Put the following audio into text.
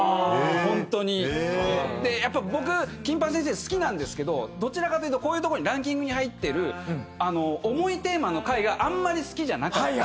ホントにやっぱり僕「金八先生」好きなんですけどどちらかというとこういうとこにランキングに入ってる重いテーマの回があんまり好きじゃなかった